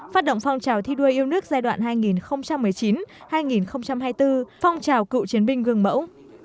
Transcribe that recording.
phát động phong trào thi đua yêu nước giai đoạn hai nghìn một mươi chín hai nghìn hai mươi bốn phong trào cựu chiến binh gương mẫu